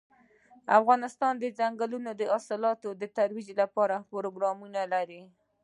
افغانستان د دځنګل حاصلات د ترویج لپاره پروګرامونه لري.